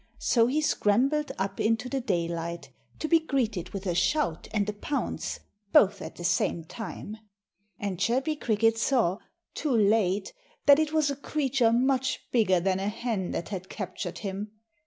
So he scrambled up into the daylight, to be greeted with a shout and a pounce, both at the same time. And Chirpy Cricket saw, too late, that it was a creature much bigger than a hen that had captured him.